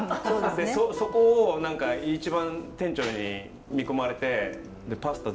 そこを一番店長に見込まれてパスタ